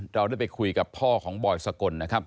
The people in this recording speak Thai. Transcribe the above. เราได้ไปคุยกับพ่อของบอยสกลนะครับ